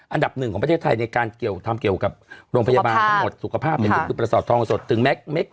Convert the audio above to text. อันดับหนึ่งของประเทศไทยในการทำเกี่ยวกับโรงพยาบาลทั้งหมด